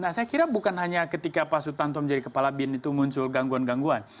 nah saya kira bukan hanya ketika pak sutanto menjadi kepala bin itu muncul gangguan gangguan